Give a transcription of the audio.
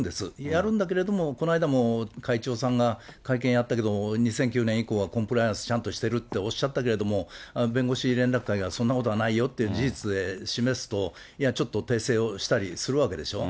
やるんだけれども、この間も会長さんが会見やったけど、２００９年以降はコンプライアンスちゃんとしてるっておっしゃったけれども、弁護士連絡会がそんなことはないよって事実で示すと、いや、ちょっと訂正をしたりするわけでしょ。